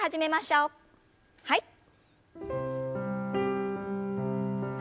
はい。